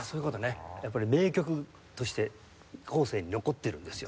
やっぱり名曲として後世に残ってるんですよね。